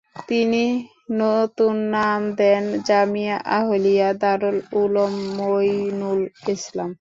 তিনি নতুন নাম দেন জামিয়া আহলিয়া দারুল উলুম মুঈনুল ইসলাম।